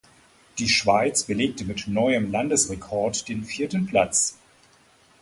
Die Schweiz belegte mit neuem Landesrekord den vierten Platz.